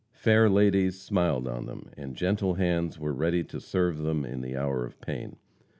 Fair ladies smiled on them, and gentle hands were ready to serve them in the hour of pain.